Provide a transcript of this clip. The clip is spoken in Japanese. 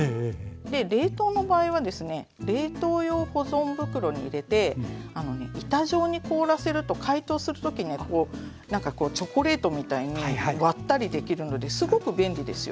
冷凍の場合はですね冷凍用保存袋に入れて板状に凍らせると解凍する時ねなんかこうチョコレートみたいに割ったりできるのですごく便利ですよ。